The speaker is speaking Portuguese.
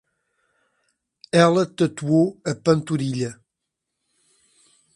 Ela tatuou a panturrilha